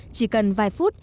chỉ cần vài phút